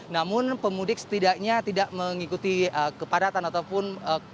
namun pemudik setidaknya tidak mengikuti kepadatan ataupun